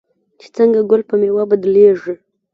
چې څنګه ګل په میوه بدلیږي.